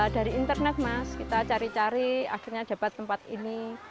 dari internet mas kita cari cari akhirnya dapat tempat ini